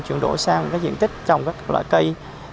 chuyển đổi sang diện tích trong các loại cây